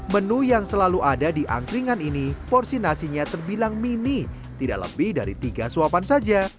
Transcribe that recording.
menu yang selalu ada di angkringan ini porsi nasinya terbilang mini tidak lebih dari tiga suapan saja